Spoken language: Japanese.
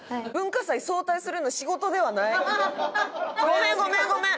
ごめんごめんごめん！